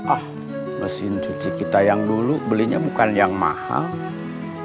oh mesin cuci kita yang dulu belinya bukan yang mahal